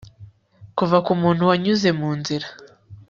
kuva kumuntu wanyuze munzira